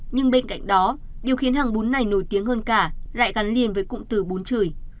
nhưng bên cạnh đó điều khiến hàng bún này nổi tiếng hơn cả lại gắn liền với cụm từ bún chửi